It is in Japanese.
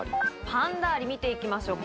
パンダアリ、見ていきましょう。